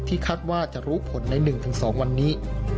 คาดว่าจะรู้ผลใน๑๒วันนี้